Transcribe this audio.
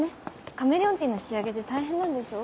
カメレオンティーの仕上げで大変なんでしょ？